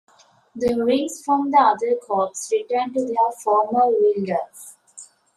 The rings from the other corps return to their former wielders.